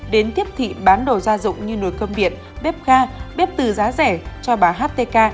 đến tiếp thị bán đồ gia dụng như nồi cơm điện bếp ga bếp từ giá rẻ cho bà htk